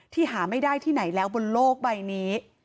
หาไม่ได้ที่ไหนแล้วบนโลกใบนี้